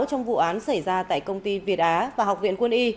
trong vụ án sơ thẩm một mươi sáu năm tù